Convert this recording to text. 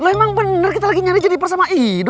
emang bener kita lagi nyari jenipers sama ido